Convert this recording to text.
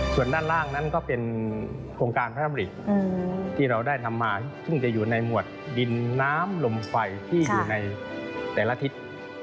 ส่วนด้านล่างนั้นก็เป็นโครงการพระดำริที่เราได้ทำมาซึ่งจะอยู่ในหมวดดินน้ำลมไฟที่อยู่ในแต่ละทิศ